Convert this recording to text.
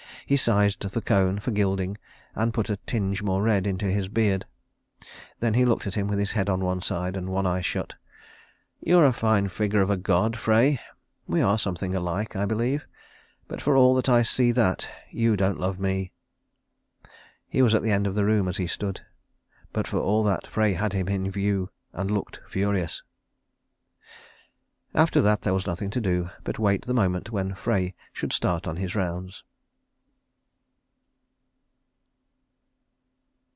He sized the cone for gilding, and put a tinge more red into his beard. Then he looked at him with his head on one side and one eye shut. "You are a fine figure of a god, Frey. We are something alike, I believe. But for all that I see that you don't love me." He was at the end of the room as he stood; but for all that Frey had him in view, and looked furious. After that there was nothing to do but wait the moment when Frey should start on his rounds.